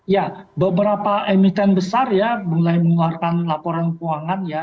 ya beberapa emiten besar ya mulai mengeluarkan laporan keuangan ya